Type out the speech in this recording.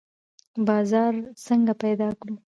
بازار څنګه پیدا کړو؟